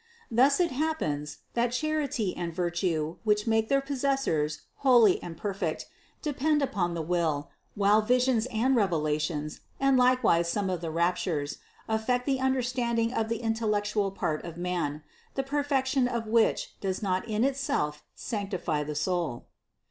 Thus it happens, that charity and virtue, which make their possessors holy and perfect, de pend upon the will, while visions and revelations, and likewise some of the raptures, affect the understanding of the intellectual part of man, the perfection of which does not in itself sanctify the soul.